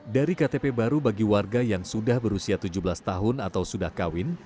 dari ktp baru bagi warga yang sudah berusia tujuh belas tahun atau sudah kawin